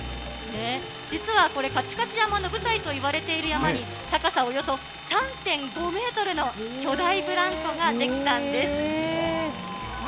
実はこれ、カチカチ山の舞台といわれている山に、高さおよそ３．５メートルの巨大ブランコが出来たんです。